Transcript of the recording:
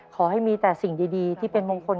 ขอให้มีแต่สิ่งดีที่เป็นมงคล